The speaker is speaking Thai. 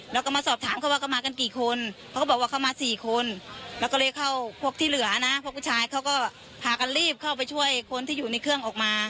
แล้วก็มาสอบถามเขาว่าเขามากันกี่คนเขาก็บอกว่าเขามาสี่คนแล้วก็เลยเข้าพวกที่เหลือนะพวกผู้ชายเขาก็พากันรีบเข้าไปช่วยคนที่อยู่ในเครื่องออกมา